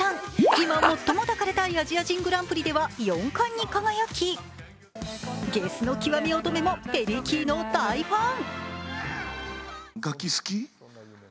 今最も抱かれたいアジア人グランプリでは４冠に輝き、ゲスの極み乙女もペリー・キーの大ファン。